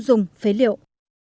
tiêu dùng phế liệu